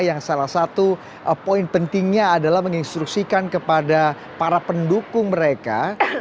yang salah satu poin pentingnya adalah menginstruksikan kepada para pendukung mereka